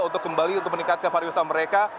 untuk kembali untuk meningkatkan pariwisata mereka